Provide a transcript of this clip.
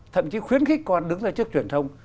thậm chí khuyến khích con đứng ra trước truyền thông